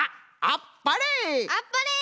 あっぱれ！